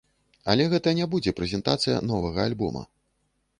Але гэта не будзе прэзентацыя новага альбома.